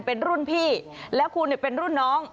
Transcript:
เป็นรุ่นพี่แล้วคุณเป็นรุ่นน้อง